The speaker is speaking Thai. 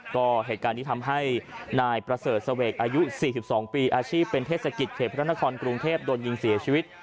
ก็เหตุการณ์นี้ทำให้นายประเสริฐเสวกอายุ๔๒ปีอาชีพเป็นเทศกิจเขตพระนครกรุงเทพโดนยิงเสียชีวิต